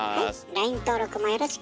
ＬＩＮＥ登録もよろしく！